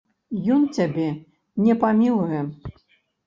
Ён цябе не памілуе.